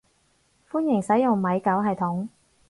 歡迎使用米狗系統